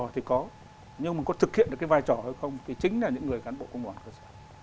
thì có nhưng mà có thực hiện được cái vai trò hay không thì chính là những người cán bộ công đoàn cơ sở